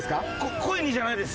故意にじゃないです